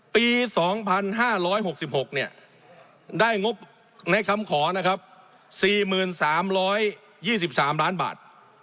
ปี๒๕๖๖ได้งบในคำขอนะครับ๔๓๒๓ล้านบาท